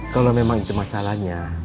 kalau memang itu masalahnya